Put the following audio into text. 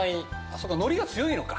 そうか海苔が強いのか。